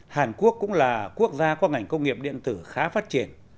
hàn quốc cũng là quốc gia có ngành công nghiệp điện tử khá phát triển